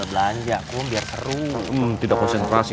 nanti aku balik lagi